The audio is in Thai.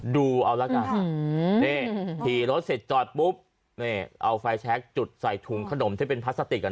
ดูเอาละกันนี่ขี่รถเสร็จจอดปุ๊บนี่เอาไฟแชคจุดใส่ถุงขนมที่เป็นพลาสติกอ่ะ